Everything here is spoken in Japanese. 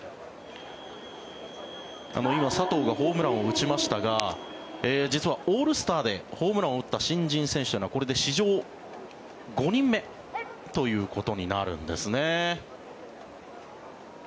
今、佐藤がホームランを打ちましたが実は、オールスターでホームランを打った新人選手はこれで史上５人目ということになるんですね。